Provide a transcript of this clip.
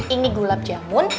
ini gulab jamun